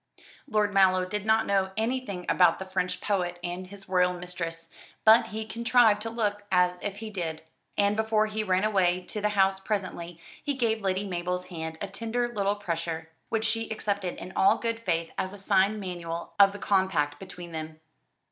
Lord Mallow did not know anything about the French poet and his royal mistress, but he contrived to look as if he did. And, before he ran away to the House presently, he gave Lady Mabel's hand a tender little pressure which she accepted in all good faith as a sign manual of the compact between them.